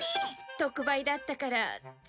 特売だったからつい。